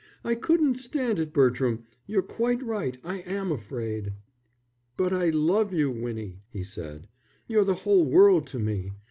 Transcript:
I couldn't stand it, Bertram. You're quite right; I am afraid." "But I love you, Winnie," he said. "You're the whole world to me.